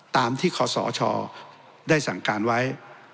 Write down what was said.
ตามที่ขอสชได้สั่งการไว้